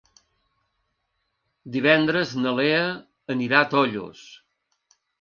Divendres na Lea anirà a Tollos.